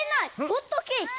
ホットケーキ⁉